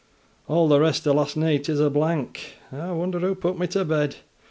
All th' rest o' last neet is a blank, Aw wonder who put mi to bed?